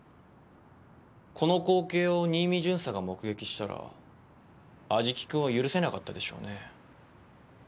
この光景を新見巡査が目撃したら安食君を許せなかったでしょうね。